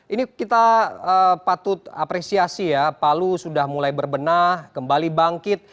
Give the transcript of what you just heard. ini kita patut apresiasi ya palu sudah mulai berbenah kembali bangkit